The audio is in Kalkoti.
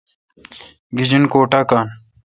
گیجن کو ٹا کان۔